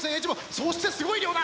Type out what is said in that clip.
そしてすごい量だ！